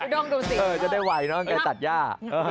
ด้องดูสินะครับจะได้ไหวเนอะกันไกตัดหญ้า